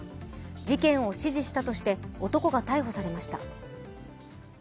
事件を指示したとして、男が逮捕されました。